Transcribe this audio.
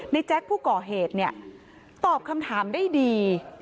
ในแจ๊กส์ผู้ก่อเหตุตอบคำถามได้ดี